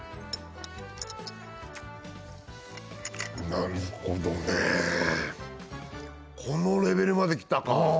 なるほどねこのレベルまできたか！